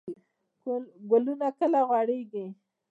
ګلونه کله غوړیږي؟